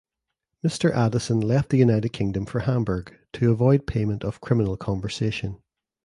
Mister Addison left the United Kingdom for Hamburg to avoid payment of criminal conversation.